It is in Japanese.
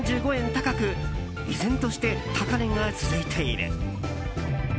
高く依然として高値が続いている。